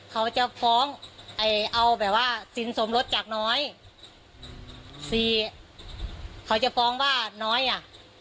เขาจะฟ้องไอ้เอาแบบว่าสินสมรสจากน้อยสี่เขาจะฟ้องว่าน้อยอ่ะ